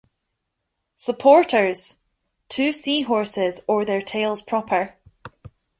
"Supporters": Two Seahorses Or their Tails Proper.